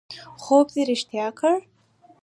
خوب دې رښتیا کړ